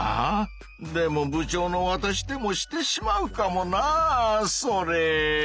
でも部長のわたしでもしてしまうかもなそれ！